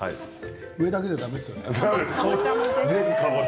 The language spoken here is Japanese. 上だけじゃだめですよね。